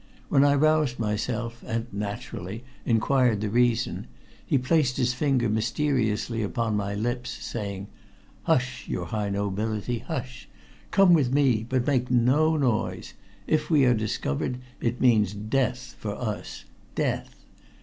When I roused myself and, naturally, inquired the reason, he placed his finger mysteriously upon my lips, saying: "Hush, your high nobility, hush! Come with me. But make no noise. If we are discovered, it means death for us death.